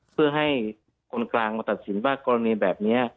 เพื่อให้คนกลางมาตัดสินว่ากรณีแบบนี้